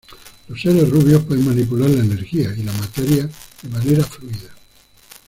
Los seres rubios pueden manipular la energía y la materia de manera fluida.